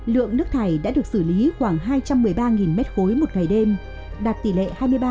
lượng nước thải đã được xử lý khoảng hai trăm một mươi ba m ba một ngày đêm đạt tỷ lệ hai mươi ba